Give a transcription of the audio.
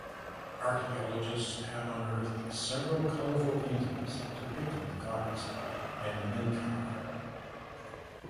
Archaeologists have unearthed several colourful paintings depicting the Goddess and Menkaure.